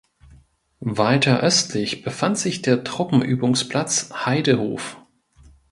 Weiter östlich befand sich der Truppenübungsplatz Heidehof.